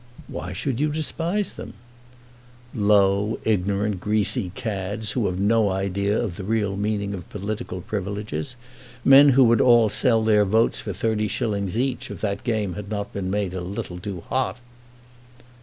"Why should you despise them?" "Low, ignorant, greasy cads, who have no idea of the real meaning of political privileges; men who would all sell their votes for thirty shillings each, if that game had not been made a little too hot!"